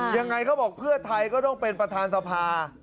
ยังไงเขาบอกเพื่อไทยก็ต้องเป็นประธานสภา